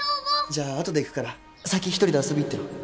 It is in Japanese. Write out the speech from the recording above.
じゃあ後で行くから先１人で遊び行ってろ